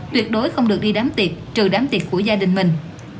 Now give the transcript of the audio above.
tuyệt đối không được đi đám tiệc trừ đám tiệc của gia đình mình